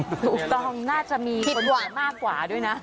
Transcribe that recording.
ถูกต้องน่าจะมีคนหว่างมากกว่าด้วยนะ